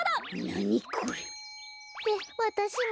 なにこれ？ってわたしも？